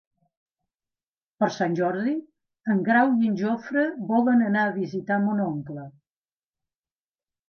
Per Sant Jordi en Grau i en Jofre volen anar a visitar mon oncle.